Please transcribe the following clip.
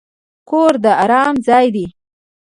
کور د ارام ځای دی.